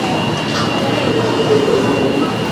Oscar, তোমার তেজ এখনো কমেনি।